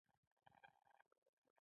متل د زړه حال په خوندوره بڼه بیانوي